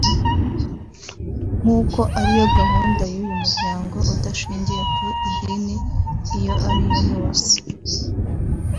nk’uko ariyo gahunda y’uyu muryango udashingiye ku idini iyo ariyo yose